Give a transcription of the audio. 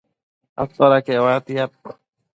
atoda queuatiad?